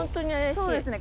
そうですね